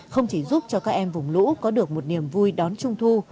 không chỉ giúp cho các em vùng lũ có được một niềm vui đón trung thu